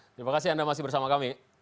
terima kasih anda masih bersama kami